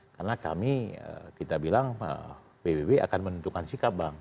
karena kami kita bilang bbb akan menentukan sikap bang